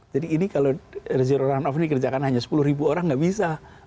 jadi ini kalau zero run off ini kerjakan hanya sepuluh ribu orang nggak bisa